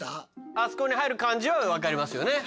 あそこに入る漢字はわかりますよね。